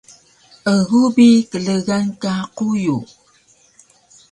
Egu bi klgan ka quyu